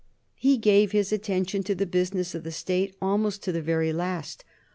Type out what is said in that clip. He gave his attention to the business of the State almost to the very last.